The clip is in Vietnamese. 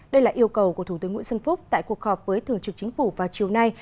đây là yêu cầu của thủ tướng nguyễn xuân phúc tại cuộc họp với thường trực chính phủ vào chiều nay